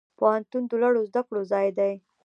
پوهنتون د لوړو زده کړو ځای دی